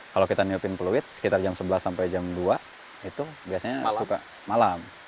kalau kita niupin peluit sekitar jam sebelas sampai jam dua itu biasanya suka malam